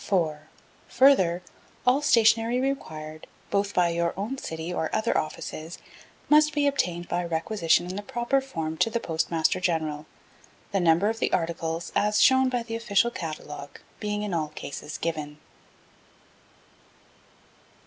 Further, all stationery required, both by your own and city or other offices, must be obtained by requisition in the proper form to the Postmaster General. The number of the articles, as shown by the official catalogue, being in all cases given.